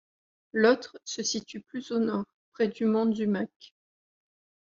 L'autre se situe plus au nord, près du mont Dzumac.